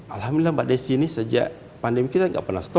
alhamdulillah mbak desi ini sejak pandemi kita nggak pernah stop